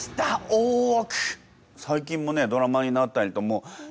大奥！